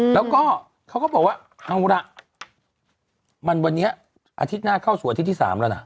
แล้วก็เขาก็บอกว่าเอาล่ะมันวันนี้อาทิตย์หน้าเข้าสู่อาทิตย์ที่๓แล้วนะ